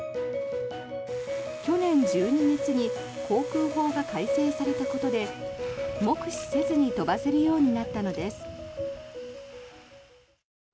去年１２月に航空法が改正されたことで目視せずに飛ばせるようになったのです。